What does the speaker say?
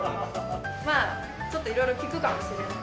まあちょっと色々聞くかもしれない。